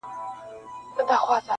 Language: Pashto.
• لېونو سره پرته د عشق معنا وي..